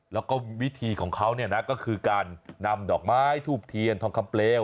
แล้วก็วิธีของเขาเนี่ยนะก็คือการนำดอกไม้ทูบเทียนทองคำเปลว